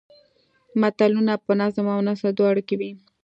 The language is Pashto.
متلونه په نظم او نثر دواړو کې وي